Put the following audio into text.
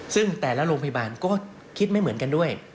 ซึ่งแต่ละโรงพยาบาลก็คิดไม่เหมือนกันด้วย